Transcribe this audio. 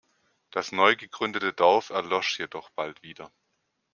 Das neu gegründete Dorf erlosch jedoch bald wieder.